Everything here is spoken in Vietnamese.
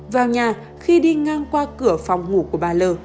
vào nhà khi đi ngang qua cửa phòng ngủ của bà l